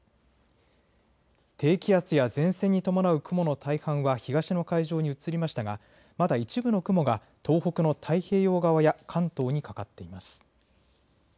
低気圧や前線に伴う雲の大半は東の海上に移りましたがまだ一部の雲が東北の太平洋側や関東にかかっています。